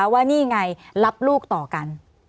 ว่านี่ไงรับลูกต่อกัน